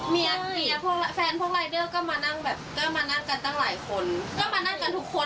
เมียแฟนพวกรายเนิลก็มานั่ง